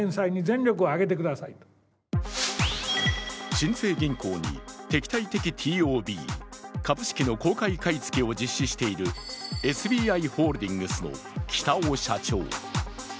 新生銀行に敵対的ＴＯＢ、株式の公開買い付けを実施しているＳＢＩホールディングスの北尾社長。